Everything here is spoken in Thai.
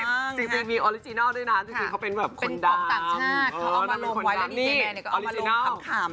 จริงมีออริจินัลด้วยนะจริงเขาเป็นแบบคนดำเขาเอามาลงไว้แล้วนิจิแมนก็เอามาลงขำนะครับ